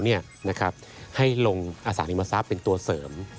ให้ลงการสามารถลงสาธิตมาซับเป็นตัวเสริม